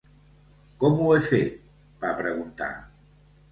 "Com ho he fet?", va preguntar.